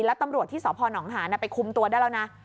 แล้วตำรวจที่สพนหานไปคุมตัวได้แล้วนะ